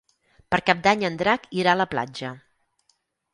Per Cap d'Any en Drac irà a la platja.